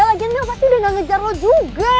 lagian dia pasti udah gak ngejar lo juga